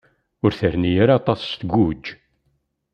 Ur terni ara aṭas tguǧ.